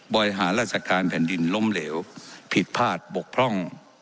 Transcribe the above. บริหารราชการแผ่นดินล้มเหลวผิดพลาดบกพร่อง